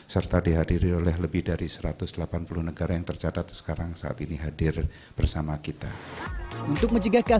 serta dihadiri oleh lebih dari satu ratus delapan puluh negara yang tercatat sekarang saat ini hadir bersama kita